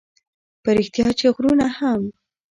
په رښتیا چې غرونه هم